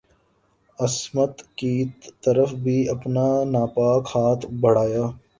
عصمت کی طرف بھی اپنا ناپاک ہاتھ بڑھایا